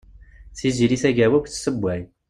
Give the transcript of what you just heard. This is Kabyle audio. Tiziri Tagawawt tesewway.